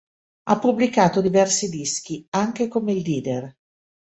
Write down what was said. Ha pubblicato diversi dischi anche come leader.